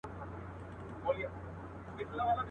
چا له وني څخه وکړله پوښتنه.